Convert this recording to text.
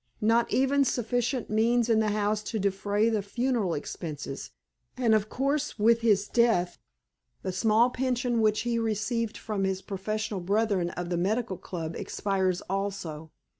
Not even sufficient means in the house to defray the funeral expenses; and, of course, with his death, the small pension which he received from his professional brethren of the Medical Club expires also.